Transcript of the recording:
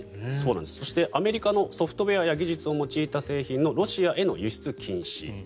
そしてアメリカのソフトウェアや技術を用いた製品のロシアへの輸出禁止。